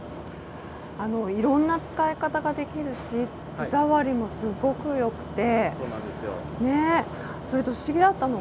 いろんな使い方ができるし手触りもすごく良くて。